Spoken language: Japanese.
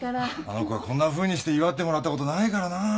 あの子はこんなふうにして祝ってもらったことないからなあ。